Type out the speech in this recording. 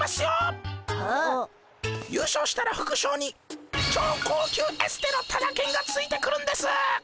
優勝したらふくしょうに超高級エステのタダけんがついてくるんです。